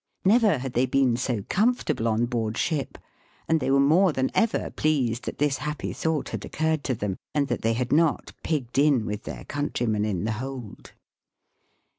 Never had they been so comfortable on board ship, and they were more than ever pleased that this happy thought had occurred to them, and that they had not pigged in with their countrymen in the hold.